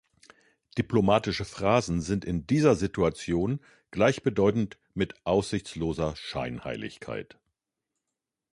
Diplomatische Phrasen sind in dieser Situation gleichbedeutend mit aussichtsloser Scheinheiligkeit.